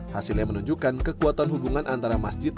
hasilnya menunjukkan kekuatan hubungan antara masjid